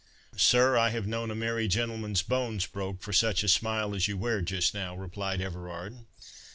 "Sir, I have known a merry gentleman's bones broke for such a smile as you wear just now," replied Everard.